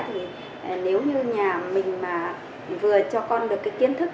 thì nếu như nhà mình mà vừa cho con được cái kiến thức